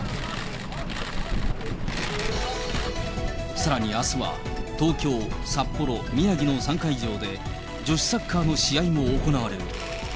さらにあすは、東京、札幌、宮城の３会場で、女子サッカーの試合も行われる。